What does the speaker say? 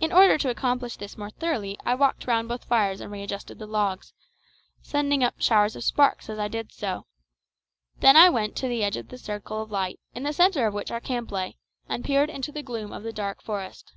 In order to accomplish this more thoroughly I walked round both fires and readjusted the logs, sending up showers of sparks as I did so. Then I went to the edge of the circle of light, in the centre of which our camp lay, and peered into the gloom of the dark forest.